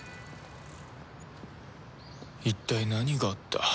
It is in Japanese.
一体何があった？